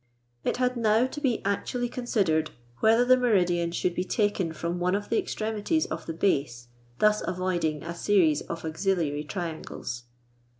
It had now to be actually con sidered whether the meridian should be taken from one of the extremi ties of the base, thus avoiding a series of auxiliary triangles